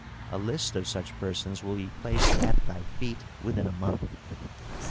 A list of such persons will be placed at thy feet within a month."